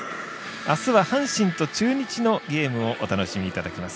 あすは阪神と中日のゲームをお楽しみいただきます。